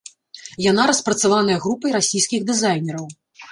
Яна распрацаваная групай расійскіх дызайнераў.